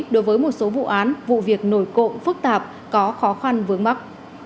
đối với một số vụ án vụ việc nổi cộng phức tạp có khó khăn vướng mắt